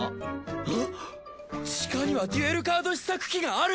あっ地下にはデュエルカード試作機がある！